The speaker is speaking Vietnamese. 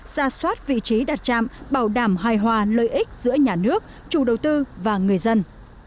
ra soát vị trí đặt trạm bảo đảm hài hòa lợi ích giữa nhà nước chủ đầu tư và người dân